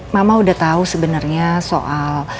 mama udah tau sebenernya soal